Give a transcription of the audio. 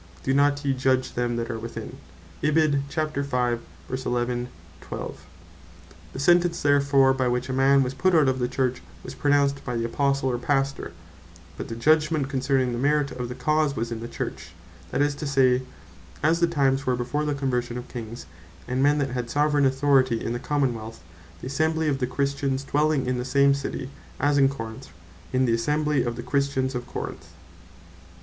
Do not ye judg them that are within?" The Sentence therefore by which a man was put out of the Church, was pronounced by the Apostle, or Pastor; but the Judgment concerning the merit of the cause, was in the Church; that is to say, (as the times were before the conversion of Kings, and men that had Soveraign Authority in the Common wealth,) the Assembly of the Christians dwelling in the same City; as in Corinth, in the Assembly of the Christians of Corinth.